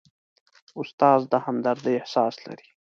استاد د همدردۍ احساس لري.